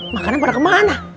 makanan pada kemana